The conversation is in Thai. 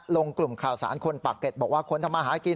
ลงกลุ่มข่าวสารคนปรากฏบอกว่าคนทำมาหากิน